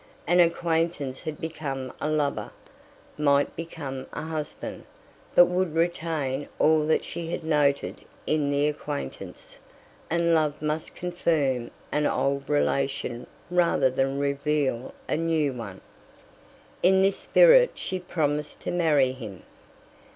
An acquaintance had become a lover, might become a husband, but would retain all that she had noted in the acquaintance; and love must confirm an old relation rather than reveal a new one. In this spirit she promised to marry him.